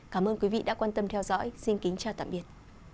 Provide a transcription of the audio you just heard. cảm ơn quý vị đã quan tâm theo dõi xin kính chào tạm biệt